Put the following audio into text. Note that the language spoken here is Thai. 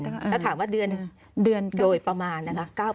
แล้วถามว่าเดือนโดยประมาณนะคะ